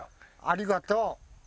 ありがとう。